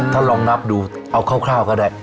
ถ้าลองนับดูเอาคร่าวก็ได้